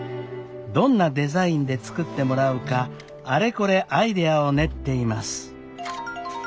どんなデザインで作ってもらうかあれこれアイデアを練っています。